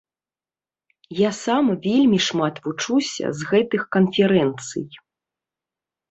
Я сам вельмі шмат вучуся з гэтых канферэнцый.